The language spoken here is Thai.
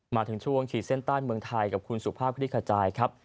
มาถึงช่วงขีดเส้นใต้เมืองไทยกับคุณสุภาพคลิกขจายครับ